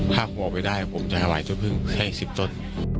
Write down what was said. ถ้าพวกออกไปได้ผมจะฝ่ายทุกผึ้งแค่๑๐ต้น